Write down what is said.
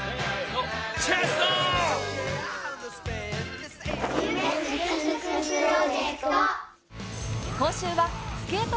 チェスト！